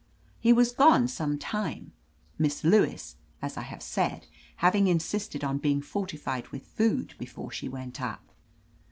He was gone some time, Miss Lewis, as I have said, having insisted on being fortified with food before she went up."